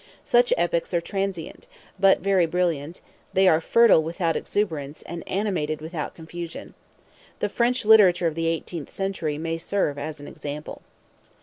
Such epochs are transient, but very brilliant: they are fertile without exuberance, and animated without confusion. The French literature of the eighteenth century may serve as an example.